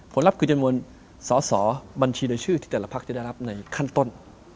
ผลลัพธ์คือจะมวลสอบัญชีได้ชื่อที่แต่ละภักดิ์จะได้รับในคันต้น